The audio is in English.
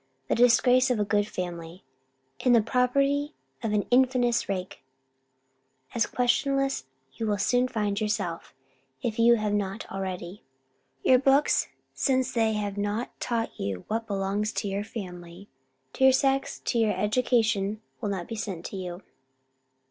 the disgrace of a good family, and the property of an infamous rake, as questionless you will soon find yourself, if you are not already. Your books, since they have not taught you what belongs to your family, to your sex, and to your education, will not be sent to you.